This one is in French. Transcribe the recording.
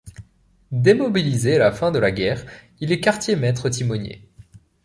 Démobilisé à la fin de la guerre, il est quartier-maître timonier.